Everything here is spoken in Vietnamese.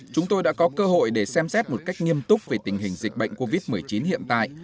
chúng tôi đã có cơ hội để xem xét một cách nghiêm túc về tình hình dịch bệnh covid một mươi chín hiện tại